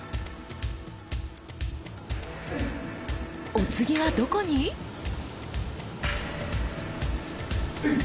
お次はどこに⁉エイ！